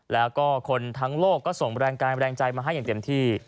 และก็คนทั้งโลกก็ส่งบรรยาการแบรนด์ใจมาให้อย่างเตรียมที่